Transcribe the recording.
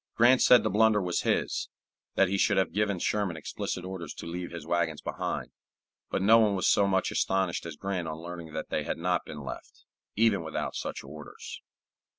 Grant said the blunder was his; that he should have given Sherman explicit orders to leave his wagons behind; but no one was so much astonished as Grant on learning that they had not been left, even without such orders.